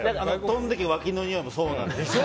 飛んでけわきのにおいもそうなんですよ。